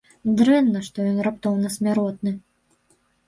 Дрэнна, што ён раптоўна смяротны!